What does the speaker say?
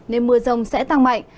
nên mưa rông sẽ tăng mạnh